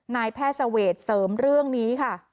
นายแพทย์เสวดเสริมเรื่องนี้ค่ะ